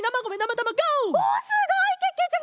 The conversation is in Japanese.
おおすごいけけちゃま！